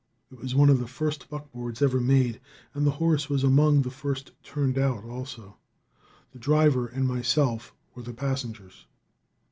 It was one of the first buckboards ever made, and the horse was among the first turned out, also. The driver and myself were the passengers.